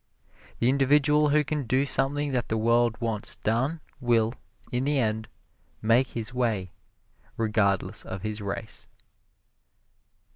The individual who can do something that the world wants done will, in the end, make his way regardless of his race.